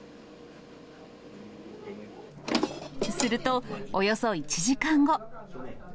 すると、およそ１時間後。